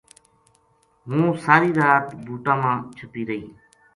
ہوں ساری رات بُوٹاں ما چھَپی رہی